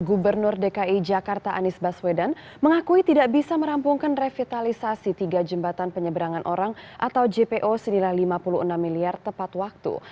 gubernur dki jakarta anies baswedan mengakui tidak bisa merampungkan revitalisasi tiga jembatan penyeberangan orang atau jpo senilai lima puluh enam miliar tepat waktu